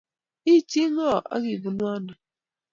ichi ng'o ak ibunu ano?